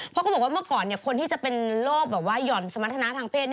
เพราะเขาบอกว่าเมื่อก่อนคนที่จะเป็นโรคแบบว่าหย่อนสมรรถนาทางเพศ